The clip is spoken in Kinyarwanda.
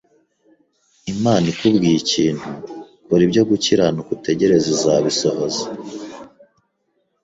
Imana ikubwiye ikintu, kora ibyo gukiranuka utegereze izabisohoza.